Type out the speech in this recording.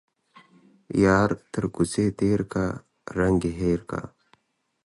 يار تر کوڅه تيرکه ، رنگ يې هير که.